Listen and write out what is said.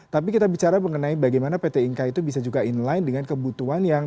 tapi kita bicara mengenai bagaimana pt inka itu bisa juga inline dengan kebutuhan yang